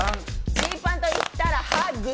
ジーパンといったら歯茎。